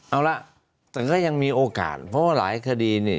เอาละแต่ก็ยังมีโอกาสเพราะว่าหลายคดีเนี่ย